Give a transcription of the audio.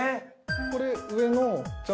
これ上の茶